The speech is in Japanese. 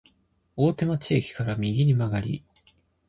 大手町駅から右に曲がり、